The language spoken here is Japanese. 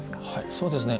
そうですね。